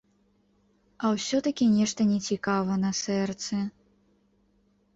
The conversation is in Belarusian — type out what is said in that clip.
А ўсё-такі нешта нецікава на сэрцы.